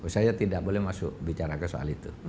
saya tidak boleh masuk bicara ke soal itu